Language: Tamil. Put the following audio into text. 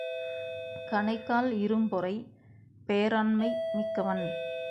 கணைக்கால் இரும்பொறை பேராண்மை மிக்கவன்.